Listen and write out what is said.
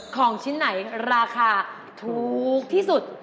ของชิ้นไหนราคาถูกที่สุด